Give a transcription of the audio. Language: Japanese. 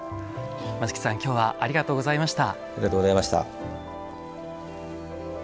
松木さん、きょうはありがとうございました。